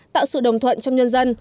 tạo sự đồng thuận trong nhân dân